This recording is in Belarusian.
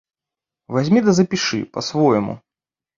Вазьмі ды запішы, па-свойму.